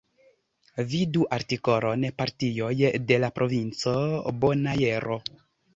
Vidu artikolon Partioj de la Provinco Bonaero.